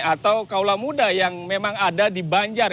atau kaulah muda yang memang ada di banjar